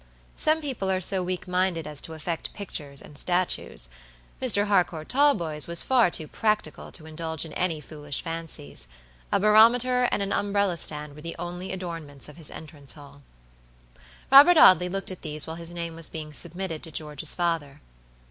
Some people are so weak minded as to affect pictures and statues. Mr. Harcourt Talboys was far too practical to indulge in any foolish fancies. A barometer and an umbrella stand were the only adornments of his entrance hall. Robert Audley looked at these while his name was being submitted to George's father.